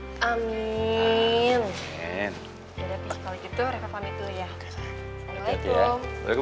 ya dapik kalau gitu reva pamit dulu ya